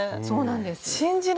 そうなんです。